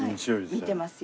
見てますよ。